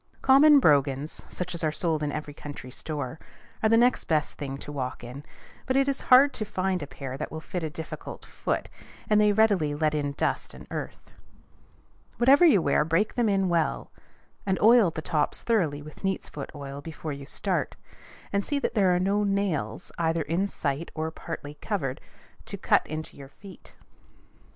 Common brogans, such as are sold in every country store, are the next best things to walk in; but it is hard to find a pair that will fit a difficult foot, and they readily let in dust and earth. Whatever you wear, break them in well, and oil the tops thoroughly with neat's foot oil before you start; and see that there are no nails, either in sight or partly covered, to cut your feet.